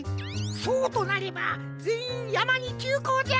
そうとなればぜんいんやまにきゅうこうじゃ！